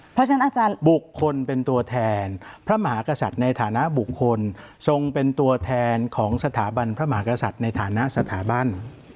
เพราะฉะนั้นอาจารย์บุคคลเป็นตัวแทนพระมหากษัตริย์ในฐานะบุคคลทรงเป็นตัวแทนของสถาบันพระมหากษัตริย์ในฐานะสถาบัน